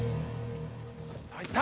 さぁいった！